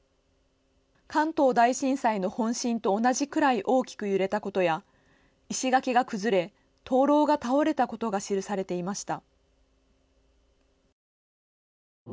関東大震災の本震と同じくらい大きく揺れたことや石垣が崩れ、灯籠が倒れたことが記されていました。